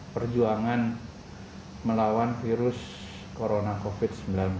perjuangan melawan virus corona covid sembilan belas